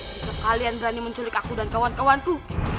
jika kalian berani menculik aku dan kawan kawan ku